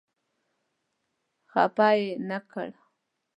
خپه یې نه کړ.